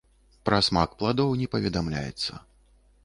Пра смак пладоў не паведамляецца.